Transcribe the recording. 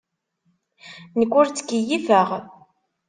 Nekk ur ttkeyyifeɣ.